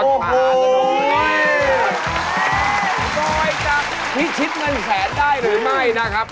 โดยจากพิชิปเป็นแสนได้หรือไม่นะครับ